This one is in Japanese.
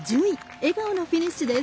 笑顔のフィニッシュです。